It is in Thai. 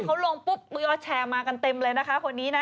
เขาลงปุ๊บมียอดแชร์มากันเต็มเลยนะคะคนนี้นะ